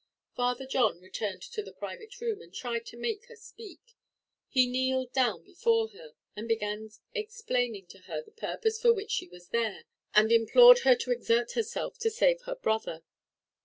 Father John returned to the private room, and tried to make her speak. He kneeled down before her, and again began explaining to her the purpose for which she was there, and implored her to exert herself to save her brother.